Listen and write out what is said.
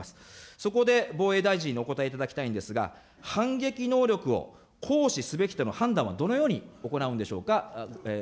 そこで、防衛大臣にお答えいただきたいんですが、反撃能力を行使すべきとの判断はどのように行うんでしょうか。